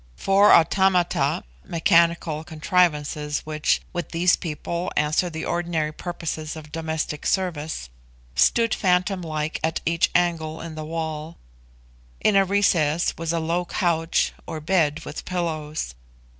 Four automata (mechanical contrivances which, with these people, answer the ordinary purposes of domestic service) stood phantom like at each angle in the wall. In a recess was a low couch, or bed with pillows.